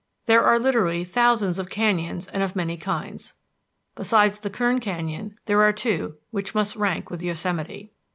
There are literally thousands of canyons and of many kinds. Besides the Kern Canyon there are two which must rank with Yosemite.